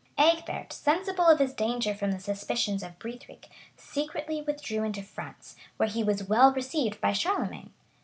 Egbert, sensible of his danger from the suspicions of Brithric, secretly withdrew into France;[] where he was well received by Charlemagne.